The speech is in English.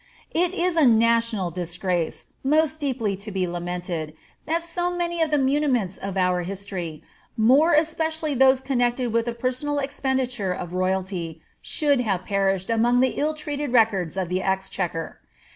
It is a national disgrace, most deeply to be lamented, that so many of the muniments of our history, more especially those connected with the personal expenditure of royalty, should have perished among the il]*treated records of the Exchequer.